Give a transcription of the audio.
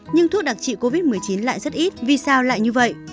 nhưng thuốc đặc trị covid một mươi chín lại rất ít vì sao lại như vậy